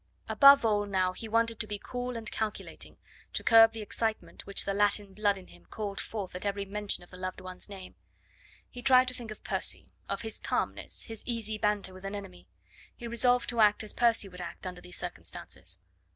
Above all now he wanted to be cool and calculating, to curb the excitement which the Latin blood in him called forth at every mention of the loved one's name. He tried to think of Percy, of his calmness, his easy banter with an enemy; he resolved to act as Percy would act under these circumstances.